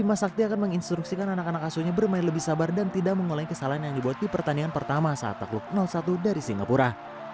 bima sakti akan menginstruksikan anak anak asuhnya bermain lebih sabar dan tidak mengulangi kesalahan yang dibuat di pertandingan pertama saat takluk satu dari singapura